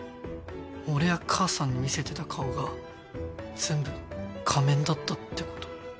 俺や母さんに見せてた顔が全部仮面だったってこと？